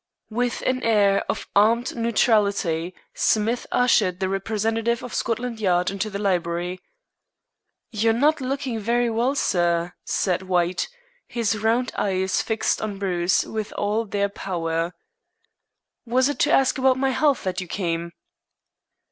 With an air of armed neutrality Smith ushered the representative of Scotland Yard into the library. "You're not looking very well, sir," said White, his round eyes fixed on Bruce with all their power. "Was it to ask about my health that you came?"